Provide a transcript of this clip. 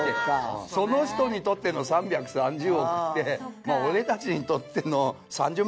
その人にとっての３３０億って俺たちにとっての３０万ぐらいでしょ。